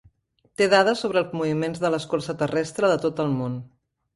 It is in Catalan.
Té dades sobre els moviments de l'escorça terrestre de tot el món.